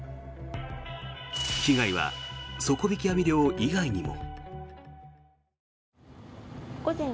被害は底引き網漁以外にも。